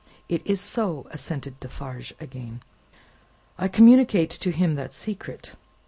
"It is so," assented Defarge again. "I communicate to him that secret.